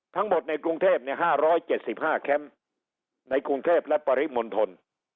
ทั้งหมดในกรุงเทพ๕๗๕แคมป์ในกรุงเทพและปริมณฑล